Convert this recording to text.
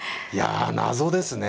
いや謎ですね。